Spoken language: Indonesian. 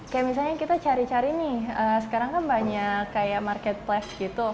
kayak misalnya kita cari cari nih sekarang kan banyak kayak marketplace gitu